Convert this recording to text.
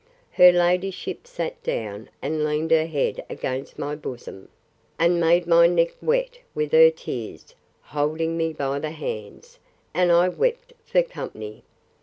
Her ladyship sat down, and leaned her head against my bosom, and made my neck wet with her tears, holding me by the hands; and I wept for company.